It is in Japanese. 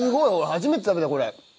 初めて食べたこれ。